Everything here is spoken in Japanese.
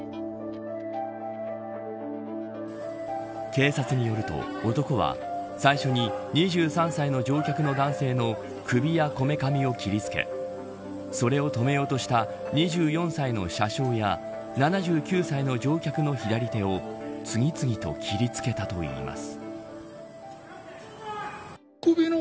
警察によると男は最初に２３歳の乗客の男性の首やこめかみを切り付けそれを止めようとした２４歳の車掌や７９歳の乗客の左手を次々と切りつけたといいます。